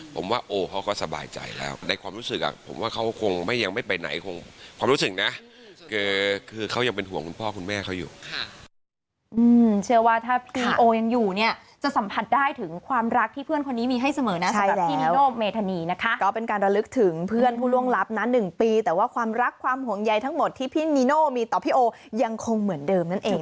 ผมว่าโอเขาก็สบายใจแล้วในความรู้สึกอ่ะผมว่าเขาคงไม่ยังไม่ไปไหนคงความรู้สึกนะคือเขายังเป็นห่วงคุณพ่อคุณแม่เขาอยู่ค่ะ